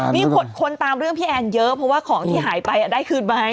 นี่คนตามเรื่องพี่แอนเยอะเพราะว่าของที่หายไปได้คืนไหม